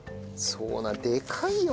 そうでかいよ。